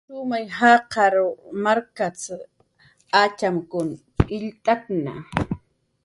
"Shumay jaqar markst"" atxamkun illt'atna"